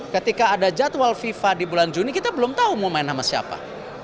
ketika ada jadwal fifa di bulan juni kita belum tahu mau main sama siapa